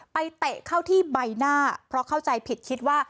เตะเข้าที่ใบหน้าเพราะเข้าใจผิดคิดว่า